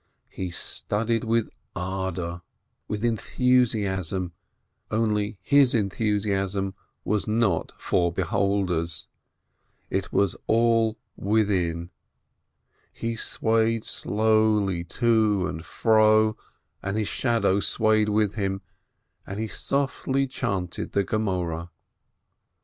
He studied with ardor, with enthusiasm, only his enthusiasm was not for beholders, it was all within; he swayed slowly to and fro, and his shadow swayed with him, and he softly chanted the Gemoreh.